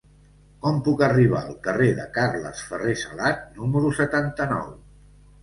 Com puc arribar al carrer de Carles Ferrer Salat número setanta-nou?